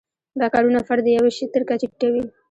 دا کارونه فرد د یوه شي تر کچې ټیټوي.